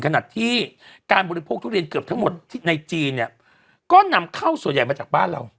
ขณะที่การบริโภคทุเรียนเกือบทั้งหมดที่ในจีนเนี่ยก็นำเข้าส่วนใหญ่มาจากบ้านเรา